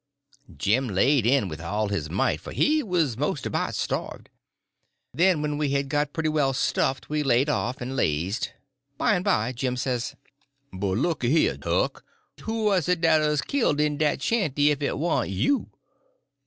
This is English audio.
Jim laid it in with all his might, for he was most about starved. Then when we had got pretty well stuffed, we laid off and lazied. By and by Jim says: "But looky here, Huck, who wuz it dat 'uz killed in dat shanty ef it warn't you?"